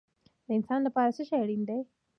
د انسان لپاره څه شی اړین دی؟